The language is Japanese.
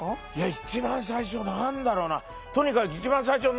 一番最初何だろな。